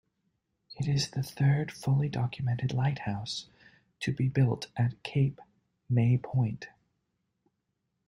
It is the third fully documented lighthouse to be built at Cape May Point.